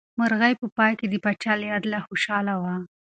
مرغۍ په پای کې د پاچا له عدله خوشحاله شوه.